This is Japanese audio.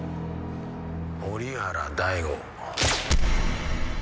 折原大吾。